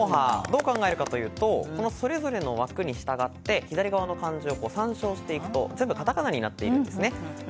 どう考えるかというとそれぞれの枠に従って左側の漢字を参照していくと全部、カタカナになっているんですね。